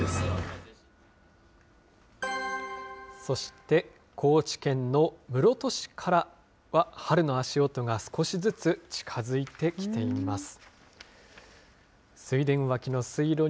そして、高知県の室戸市からは、春の足音が少しずつ近づいてきています。